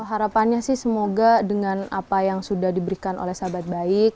harapannya sih semoga dengan apa yang sudah diberikan oleh sahabat baik